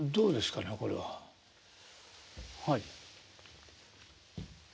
はい。